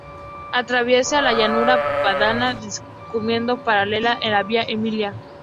Atraviesa la llanura padana discurriendo paralela a la Vía Emilia.